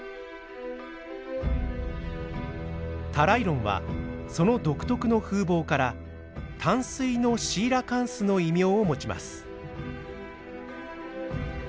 タライロンはその独特の風貌から「淡水のシーラカンス」の異名を持ちます。